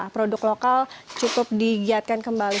produk lokal cukup digiatkan kembali